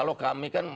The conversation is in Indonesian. kalau kami kan